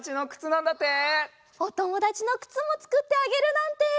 おともだちのくつもつくってあげるなんて。